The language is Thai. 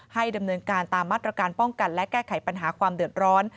ดำเนินการตามมาตรการป้องกันและแก้ไขปัญหาความเดือดร้อน